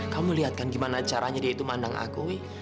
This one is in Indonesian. kamu lihat kan gimana caranya dia itu mandang aku wi